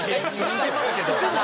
似てますけど。